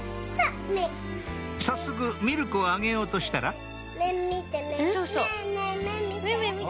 早速ミルクをあげようとしたらめみてめみて。